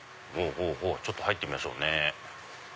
ちょっと入ってみましょうね。